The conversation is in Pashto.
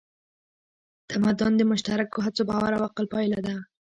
تمدن د مشترکو هڅو، باور او عقل پایله ده.